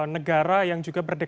negara yang juga berdiri